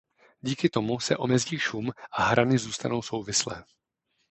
Díky tomu se omezí šum a hrany zůstanou souvislé.